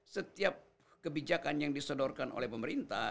setiap kebijakan yang disodorkan oleh pemerintah